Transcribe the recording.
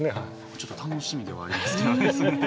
ちょっと楽しみではありますけどね。